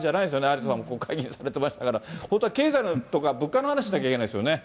有田さん、国会議員されてましたから、本当は経済とか物価の話しなきゃいけないですよね。